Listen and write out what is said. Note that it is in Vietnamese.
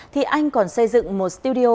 thì anh còn xây dựng một studio